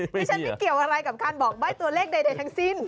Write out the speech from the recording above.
ฉันไม่เกี่ยวอะไรกับการบอกใบ้ตัวเลขใดทั้งสิ้น